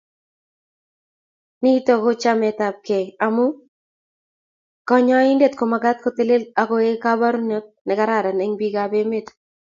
Nito ko chametabkei amu konyoindet komagat kotelel akoek koborunet nekararan eng bikap emet